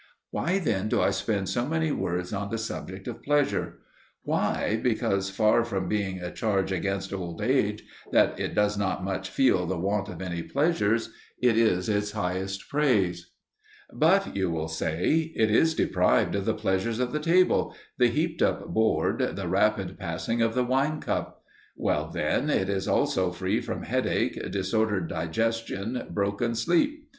Why then do I spend so many words on the subject of pleasure? Why, because, far from being a charge against old age, that it does not much feel the want of any pleasures, it is its highest praise. But, you will say, it is deprived of the pleasures of the table, the heaped up board, the rapid passing of the wine cup. Well, then, it is also free from headache, disordered digestion, broken sleep.